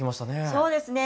そうですね